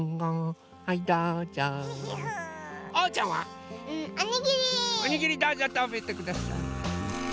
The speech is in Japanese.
おにぎりどうぞたべてください。